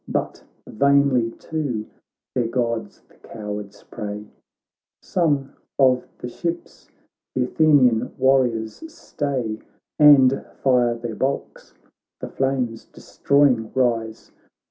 But vainly to their Gods the cowards pray. Some of the ships th' Athenian warriors stay And fire their bulks ; the flames destroy ing rise.